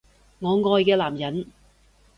我愛嘅男人